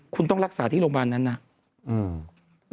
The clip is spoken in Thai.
คุณต้องรักษาที่โรงพยาบาลนั้นนะ